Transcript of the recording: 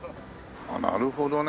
なるほどね。